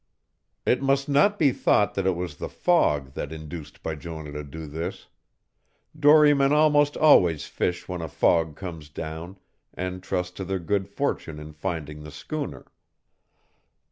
It must not be thought that it was the fog that induced Bijonah to do this. Dorymen almost always fish when a fog comes down, and trust to their good fortune in finding the schooner.